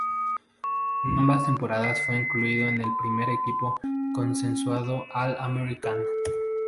En ambas temporadas fue incluido en el primer equipo consensuado All-American.